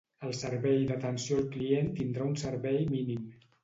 El servei d'atenció al client tindrà un servei mínim.